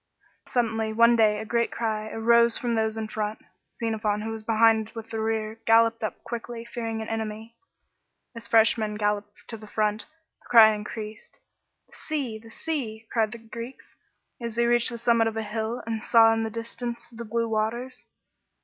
Suddenly, one day, a great cry arose from those in front. Xenophon, who was behind with the rear, galloped up quickly, fearing an enemy. As fresh men galloped to the front, the cry increased. " The sea ! the sea !" cried the Greeks, as they reached the summit of a hill and saw in the dis i * tance the blue Caters.